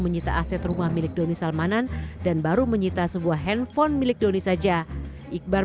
menyita aset rumah milik doni salmanan dan baru menyita sebuah handphone milik doni saja iqbar